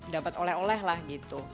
dapat oleh oleh lah gitu